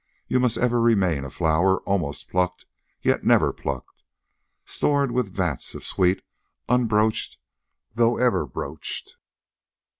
You must ever remain a flower almost plucked yet never plucked, stored with vats of sweet unbroached though ever broached.